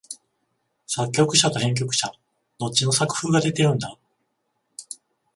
作曲者と編曲者、どっちの作風が出てるんだ？